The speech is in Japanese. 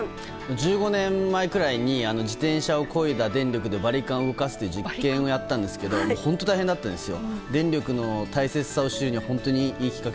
１５年前くらいに自転車をこいだ電力でバリカンを動かす実験をやったんですが本当、大変だったんですよ。